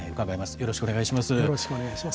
よろしくお願いします。